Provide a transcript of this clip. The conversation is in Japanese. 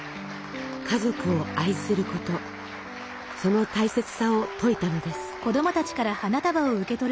家族を愛することその大切さを説いたのです。